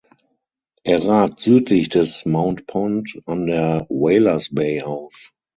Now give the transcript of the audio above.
Er ragt südlich des Mount Pond an der Whalers Bay auf.